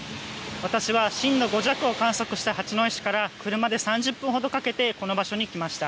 私は震度５弱を観測した八戸市から車で３０分ほどかけてこの場所に来ました。